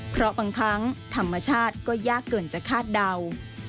เพราะบางครั้งธรรมชาติก็ยากเกินจะคาดเดา